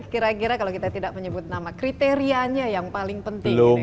kira kira kalau kita tidak menyebut nama kriterianya yang paling penting